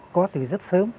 có từ rất sớm